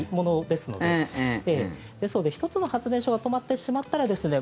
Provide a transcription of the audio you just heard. ですので、１つの発電所が止まってしまったらですね